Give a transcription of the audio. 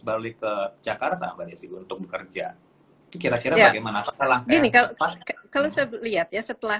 balik ke jakarta bagi untuk bekerja kira kira bagaimana perangkal kalau lihat ya setelah